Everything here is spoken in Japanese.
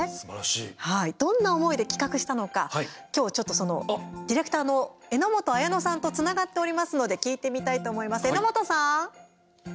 はい、どんな思いで企画したのか今日、ちょっとそのディレクターの榎本彩乃さんとつながっておりますので聞いてみたいと思います榎本さん。